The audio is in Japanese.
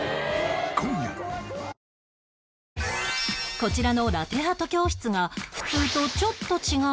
こちらのラテアート教室が普通とちょっと違う